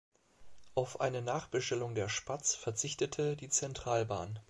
Auf eine Nachbestellung der Spatz verzichtete die Zentralbahn.